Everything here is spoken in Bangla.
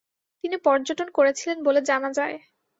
তিনি পর্যটন করেছিলেন বলে জানা যায়।